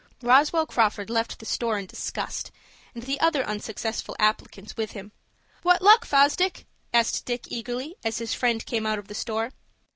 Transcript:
Roswell Crawford left the store in disgust, and the other unsuccessful applicants with him. "What luck, Fosdick?" asked Dick, eagerly, as his friend came out of the store.